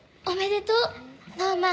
おめでとう。